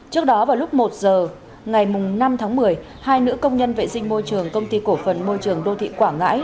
trước đó vào lúc một giờ ngày năm tháng một mươi hai nữ công nhân vệ sinh môi trường công ty cổ phần môi trường đô thị quảng ngãi